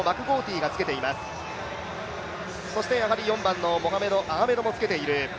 ４番のモハメド・アーメドもつけている。